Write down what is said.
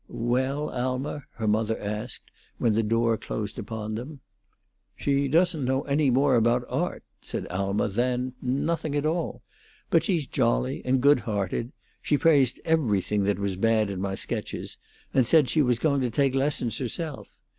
"Well, Alma?" her mother asked, when the door closed upon them. "She doesn't know any more about art," said Alma, "than nothing at all. But she's jolly and good hearted. She praised everything that was bad in my sketches, and said she was going to take lessons herself.